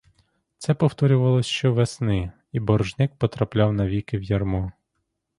Це повторювалося щовесни, і боржник потрапляв навіки в ярмо.